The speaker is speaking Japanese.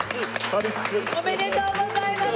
おめでとうございます。